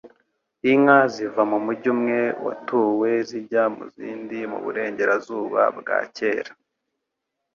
Inka ziva mu mujyi umwe watuwe zijya mu zindi mu Burengerazuba bwa Kera.